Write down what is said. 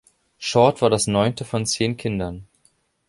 Short war das neunte von zehn Kindern.